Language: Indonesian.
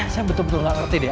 saya betul betul nggak ngerti deh